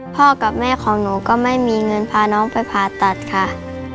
พ่อกับแม่ของหนูก็ไม่มีเงินพาน้องไปผ่าตัดค่ะ